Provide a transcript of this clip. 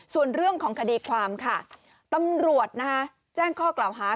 ส่วนเรื่องของคดีความค่ะตำรวจแจ้งข้อกล่าวหา